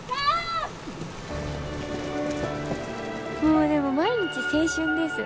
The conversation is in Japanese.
もうでも毎日青春です。